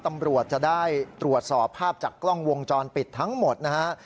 ตำรวจจะได้ตรวจสอบภาพจากกล้องวงจรปิดทั้งหมดนะฮะ